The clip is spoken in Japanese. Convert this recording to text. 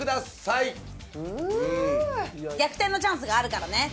逆転のチャンスがあるからね。